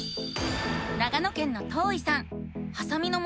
長野県のとういさん。